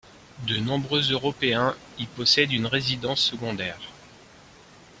De nombreux Européens y possèdent une résidence secondaire.